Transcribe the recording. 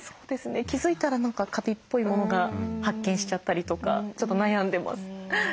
気付いたら何かカビっぽいものが発見しちゃったりとかちょっと悩んでます。